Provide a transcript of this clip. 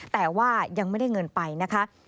แต่ว่ายังไม่ได้เงินไปนะคะ